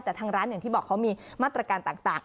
แต่ทางร้านอย่างที่บอกเขามีมาตรการต่าง